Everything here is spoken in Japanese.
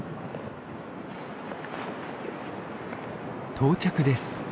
到着です。